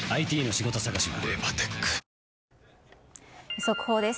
速報です。